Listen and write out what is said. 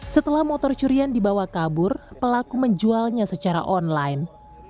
setelah motor curian dibawa kabur pelaku menjualnya secara online